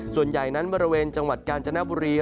ส่วนใหญ่นั้นบริเวณจังหวัดกาญจนบุรี